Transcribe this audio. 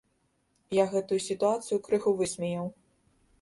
Я гэтую сітуацыю крыху высмеяў.